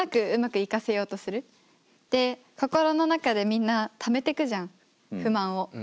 で心の中でみんなためてくじゃん不満を。